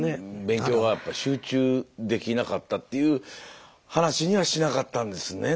勉強がやっぱ集中できなかったっていう話にはしなかったんですね。